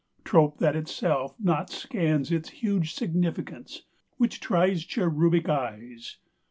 Trope that itself not scans Its huge significance, Which tries Cherubic eyes.